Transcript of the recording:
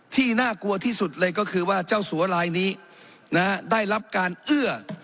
น่ากลัวที่สุดเลยก็คือว่าเจ้าสัวลายนี้ได้รับการเอื้อ